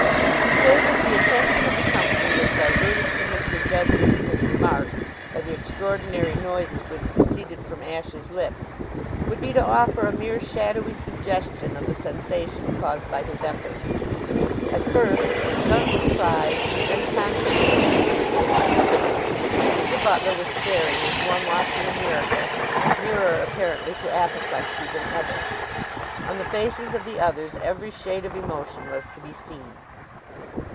To say that the attention of the company was diverted from Mr. Judson and his remarks by the extraordinary noises which proceeded from Ashe's lips would be to offer a mere shadowy suggestion of the sensation caused by his efforts. At first, stunned surprise, then consternation, greeted him. Beach, the butler, was staring as one watching a miracle, nearer apparently to apoplexy than ever. On the faces of the others every shade of emotion was to be seen.